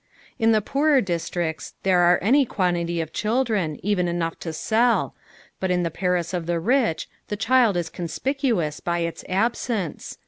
In the poorer districts, there are any quantity of children, even enough to sell, but in the Paris of the rich, the child is conspicuous by its absence.